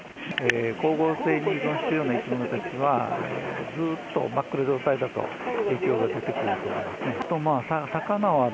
光合成に依存しているような生き物としては、ずっと真っ暗状態だと、影響が出てくると思いますね。